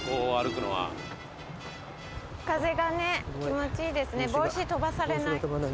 風が気持ちいいですね。